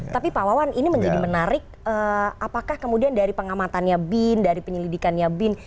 tapi pak wawan ini menjadi menarik apakah kemudian dari pengamatannya bin dari penyelidikannya bin